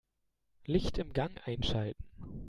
Licht im Gang einschalten.